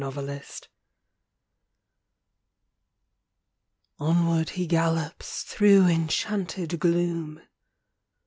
KNIGHT ERRANT Onward he gallops through enchanted gloom.